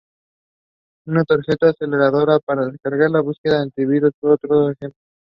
Una tarjeta aceleradora para descargar la búsqueda de antivirus fue otro ejemplo.